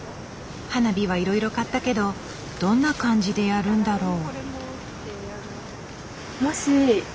花火はいろいろ買ったけどどんな感じでやるんだろう？